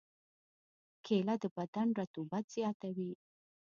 کېله د بدن رطوبت زیاتوي.